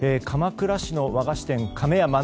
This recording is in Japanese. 鎌倉市の和菓子店亀屋